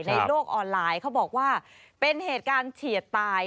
ในโลกออนไลน์เขาบอกว่าเป็นเหตุการณ์เฉียดตาย